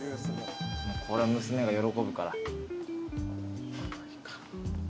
これは娘が喜ぶから。